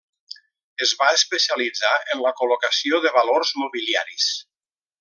Es va especialitzar en la col·locació de valors mobiliaris.